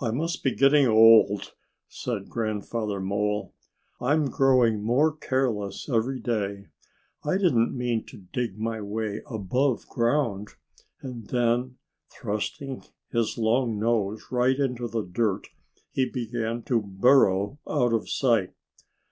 "I must be getting old," said Grandfather Mole. "I'm growing more careless every day. I didn't mean to dig my way above ground." And then, thrusting his long nose right into the dirt, he began to burrow out of sight.